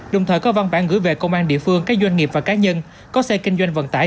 đồng thời có văn bản gửi về công an địa phương các doanh nghiệp và cá nhân có xe kinh doanh vận tải